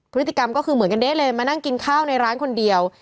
พฤติกรรมก็คือเหมือนกันเด๊ะเลยมานั่งกินข้าวในร้านคนเดียว